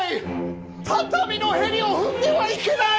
畳のへりを踏んではいけない！